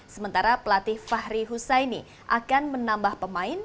sementara pelatih fahri husaini akan menambah pemain